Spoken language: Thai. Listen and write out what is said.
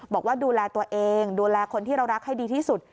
บอกว่าดูแลตัวเองดูแลคนที่เรารักให้ดีที่สุด